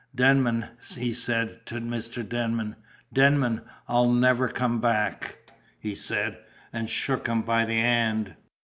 'Denman,' he said to Mr. Denman, 'Denman, I'll never come back,' he said, and shook him by the 'and.